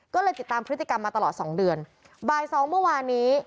ก็เลยติดตามพฤติกรรมมาตลอดสองเดือนบ่ายสองเมื่อวานนี้